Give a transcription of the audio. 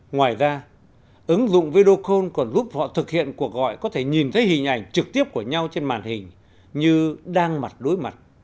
ngoài ra ứng dụng video còn giúp họ thực hiện cuộc gọi có thể nhìn thấy hình ảnh trực tiếp của nhau trên màn hình như đang mặt đối mặt